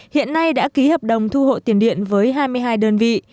hiện nay đã ký hợp đồng thu hộ tiền điện với hai mươi hai đơn vị